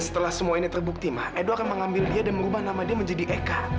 setelah semua ini terbukti mah edo akan mengambil dia dan merubah nama dia menjadi eka